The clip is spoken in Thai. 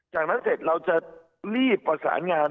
จากนั้นเสร็จเราจะรีบประสานงาน